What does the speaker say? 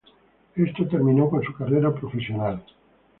Esto terminó con su carrera profesional.